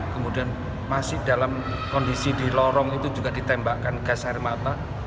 kemudian masih dalam kondisi di lorong itu juga ditembakkan gas air mata